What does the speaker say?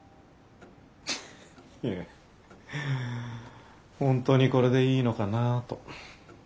いや本当にこれでいいのかなと。